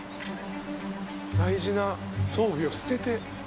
大事な装備を捨てて。